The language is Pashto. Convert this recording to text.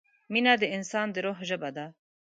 مینه د انسان د روح ژبه ده.